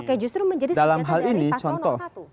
oke justru menjadi sejata dari pasal satu